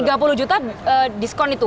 tiga puluh juta diskon itu